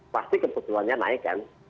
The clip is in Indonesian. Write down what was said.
pasti kebetulannya naik kan